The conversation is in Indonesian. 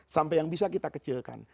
sampai yang bisa kita kecilkan